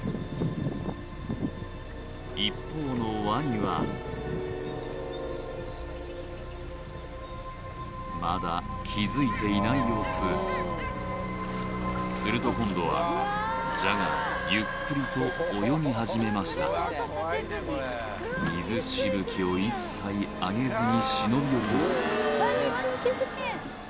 一方のワニはまだ気付いていない様子すると今度はジャガーゆっくりと泳ぎ始めました水しぶきを一切あげずに忍び寄ります